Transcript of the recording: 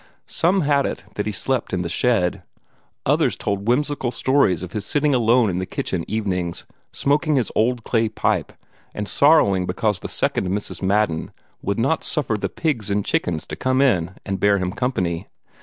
Some had it that he slept in the shed. Others told whimsical stories of his sitting alone in the kitchen evenings, smoking his old clay pipe, and sorrowing because the second Mrs. Madden would not suffer the pigs and chickens to come in and bear him company.